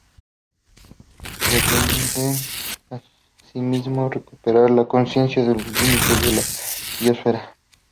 Pretenden asimismo recuperar la conciencia de los límites de la biosfera.